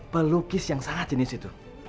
pelukis yang sangat jenis itu